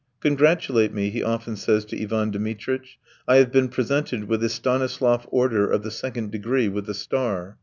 "Congratulate me," he often says to Ivan Dmitritch; "I have been presented with the Stanislav order of the second degree with the star.